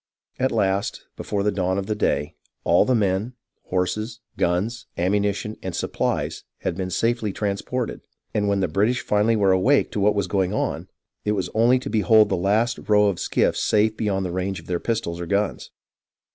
At last, before the dawn of the day, all the men, horses, guns, ammunition, and suppHes had been safely trans ported ; and when the British finally were awake to what was going on, it was only to behold the last row of skiffs safe beyond the range of their pistols or guns.